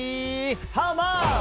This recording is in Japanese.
ハウマッチ。